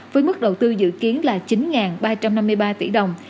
với mức đầu tư dự kiến là chín ba trăm năm mươi ba tỷ đồng